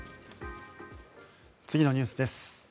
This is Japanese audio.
次のニュースです。